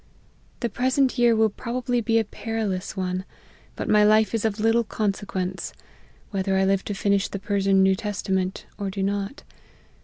The present year will probably be a perilous one; but my life is of little consequence, whether I live to finish the Persian New Testament, or do not.